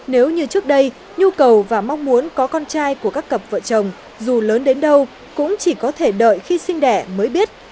nếu như trước đây nhu cầu và mong muốn có con trai của các cặp vợ chồng dù lớn đến đâu cũng chỉ có thể đợi khi sinh đẻ mới biết